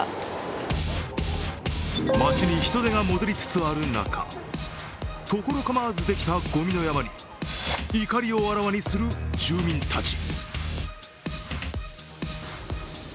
街に人出が戻りつつある中、ところ構わずできた、ごみの山に怒りをあらわにする住民たち。